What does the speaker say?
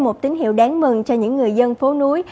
một tín hiệu đáng mừng cho những người dân phố núi